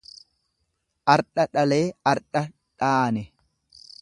Ardha dhalee ardha dhaane.